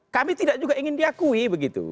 kami tidak juga ingin diakui begitu